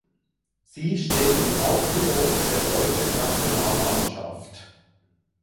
Sie steht im Aufgebot der deutschen Nationalmannschaft.